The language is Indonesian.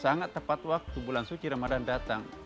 sangat tepat waktu bulan suci ramadan datang